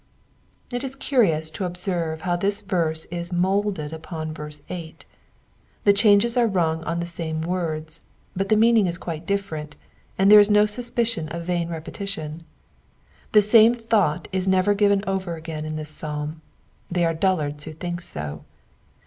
It is curious to observe how this verse is moulded upon verse 8 : the changes are rung on the same words, but the meaning is quite difiterent, and there is no suspicion of a vain repetition. The same thought is never given over again in this Psalm ; they are dullards who thiok so.